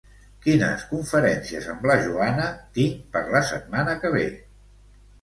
Quines conferències amb la Joana tinc per la setmana que ve?